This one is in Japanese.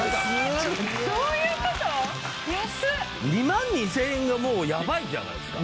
２万２０００円がもうやばいじゃないですか。